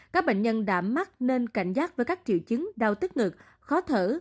các bệnh nhân đã mắc nên cảnh giác với các triệu chứng đau tức ngực khó thở